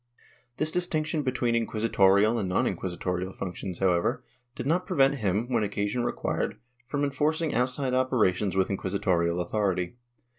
This distinction between inquisitorial and non inquisitorial functions, however did not prevent him, when occasion required, from enforcing outside operations with inquisitorial authority.